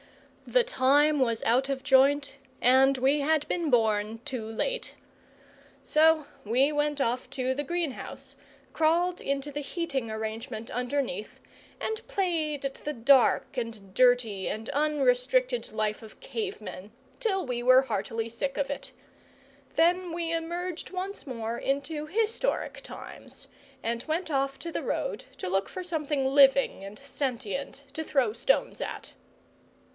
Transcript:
The time was out of joint, and we had been born too late. So we went off to the greenhouse, crawled into the heating arrangement underneath, and played at the dark and dirty and unrestricted life of cave men till we were heartily sick of it. Then we emerged once more into historic times, and went off to the road to look for something living and sentient to throw stones at.